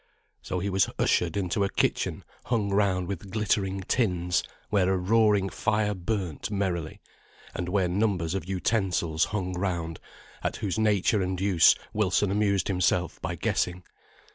So he was ushered into a kitchen hung round with glittering tins, where a roaring fire burnt merrily, and where numbers of utensils hung round, at whose nature and use Wilson amused himself by guessing.